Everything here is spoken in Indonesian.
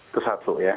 itu satu ya